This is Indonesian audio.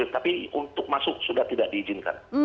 tapi untuk masuk sudah tidak diizinkan